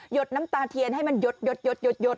ดน้ำตาเทียนให้มันยด